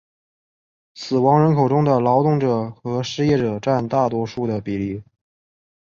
死亡人口中劳动者和失业者占大多数的比例。